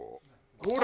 ほら！